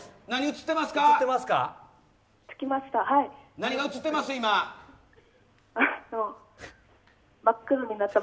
何映ってますか？